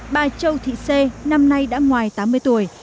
bà châu thị xê năm nay đã ngoài tám mươi tuổi